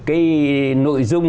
cái nội dung